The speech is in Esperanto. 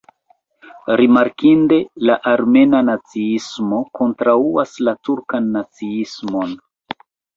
Rimarkinde, la armena naciismo kontraŭas la turkan naciismon.